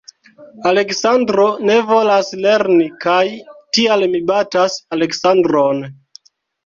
Aleksandro ne volas lerni, kaj tial mi batas Aleksandron.